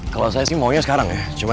kalau saya sih maunya sekarang ya